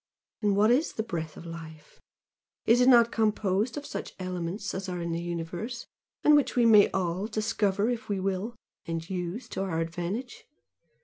And what is the breath of life? Is it not composed of such elements as are in the universe and which we may all discover if we will, and use to our advantage?